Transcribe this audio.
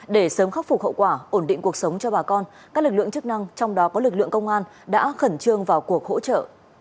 để sớm khắc phục hậu quả ổn định cuộc sống cho bà con các lực lượng chức năng trong đó có lực lượng công an đã khẩn trương vào cuộc hỗ trợ